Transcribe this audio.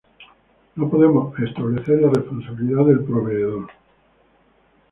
No podemos establecer la responsabilidad del proveedor.